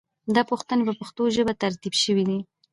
دا پوښتنې په پښتو ژبه ترتیب شوې دي.